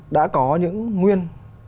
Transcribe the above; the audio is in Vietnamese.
đã có những nguyên